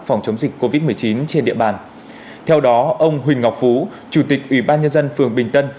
phòng chống dịch covid một mươi chín trên địa bàn theo đó ông huỳnh ngọc phú chủ tịch ủy ban nhân dân phường bình tân